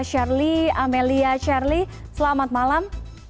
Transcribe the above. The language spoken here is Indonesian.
shirley amelia shirley selamat malam